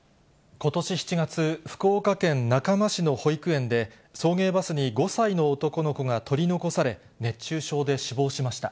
ことし７月、福岡県中間市の保育園で、送迎バスに５歳の男の子が取り残され、熱中症で死亡しました。